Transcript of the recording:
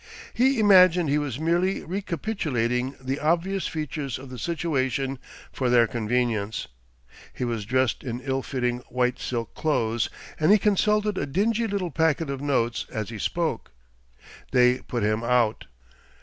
He imagined he was merely recapitulating the obvious features of the situation for their convenience. He was dressed in ill fitting white silk clothes, and he consulted a dingy little packet of notes as he spoke. They put him out.